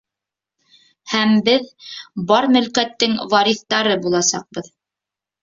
Һәм беҙ бар мөлкәттең вариҫтары буласаҡбыҙ.